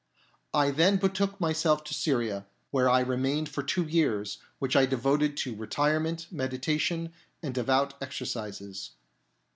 I then betook myself to Syria, where I remained for two years, which I devoted to retirement, meditation, and devout exercises.